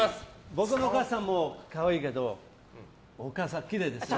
僕のお母さんも可愛いけどお母さん、きれいですね。